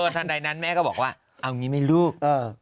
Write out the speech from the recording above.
ทันใดนั้นแม่ก็บอกว่าเอางี้ไหมลูก